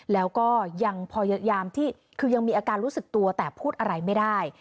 แล้วก็ยังพยายามที่คือยังมีอาการรู้สึกตัวแต่พูดอะไรไม่ได้